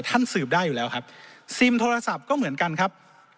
สืบได้อยู่แล้วครับซิมโทรศัพท์ก็เหมือนกันครับ